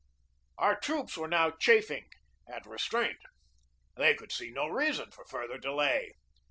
Our troops were now chafing at restraint. They could see no reason for further delay.